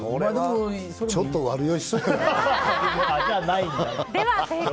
ちょっと悪酔いしそう。